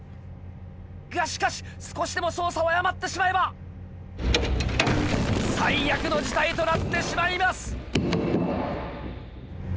がしかし少しでも操作を誤ってしまえば最悪の事態となってしまいます！